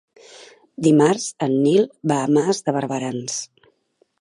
Dimarts en Nil va a Mas de Barberans.